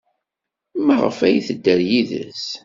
Maɣef ay tedder yid-s?